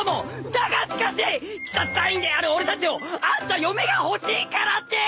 だがしかし鬼殺隊員である俺たちをあんた嫁が欲しいからって！